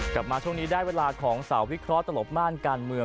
กลับมาช่วงนี้ได้เวลาของสาววิเคราะห์ตลบม่านการเมือง